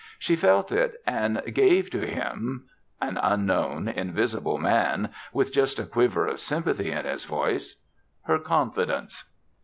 She felt it and gave to him an unknown, invisible man, with just a quiver of sympathy in his voice her confidence.